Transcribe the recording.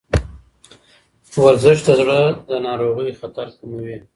ورزش د زړه ناروغیو خطر کموي.